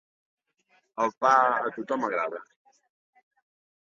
El pa a tothom agrada.